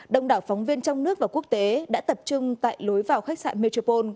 đông đảo phóng viên trong nước và quốc tế đã tập trung tại lối vào khách sạn metropole